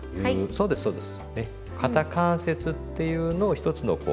そうですそうです。